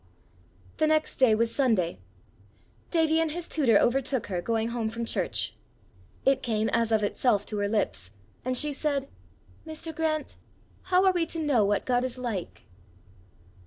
The next day was Sunday. Davie and his tutor overtook her going home from church. It came as of itself to her lips, and she said, "Mr. Grant, how are we to know what God is like?"